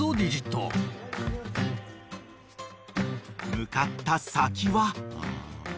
［向かった先は］